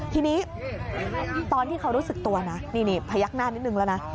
ทีนี้ตอนที่เขารู้สึกตัวนะนี่พยักหน้านิดนึงแล้วนะ